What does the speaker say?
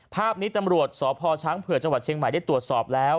ภาพนี้ตำรวจสพช้างเผื่อจังหวัดเชียงใหม่ได้ตรวจสอบแล้ว